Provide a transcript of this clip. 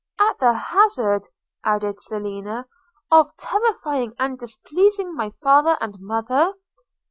– 'At the hazard,' added Selina, 'of terrifying and displeasing my father and mother?'